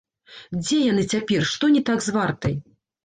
Дзе яны цяпер, што не так з вартай?